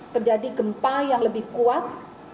terjadi gempa yang lebih kuat